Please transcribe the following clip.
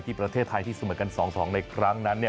ประเทศไทยที่เสมอกัน๒๒ในครั้งนั้น